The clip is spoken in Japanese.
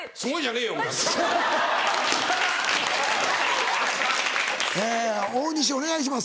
え大西お願いします。